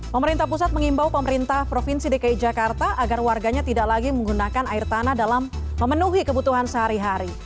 pemerintah pusat mengimbau pemerintah provinsi dki jakarta agar warganya tidak lagi menggunakan air tanah dalam memenuhi kebutuhan sehari hari